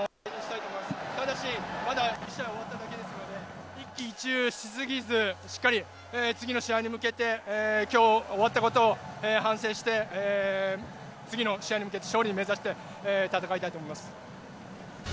ただ、まだ１試合終わっただけですので一喜一憂し過ぎずしっかり次の試合に向けて今日終わったことを反省して次の試合に向けて勝利を目指して戦いたいと思います。